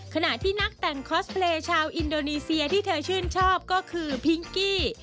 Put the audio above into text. ขณะที่นักแต่งคอสเพลย์ชาวอินโดนีเซียที่เธอชื่นชอบก็คือพิงกี้